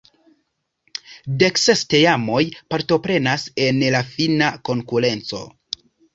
Dekses teamoj partoprenas en la fina konkurenco.